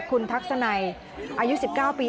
คุณทักษณัยอายุ๑๙ปี